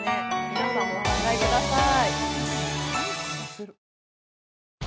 皆さんもお考えください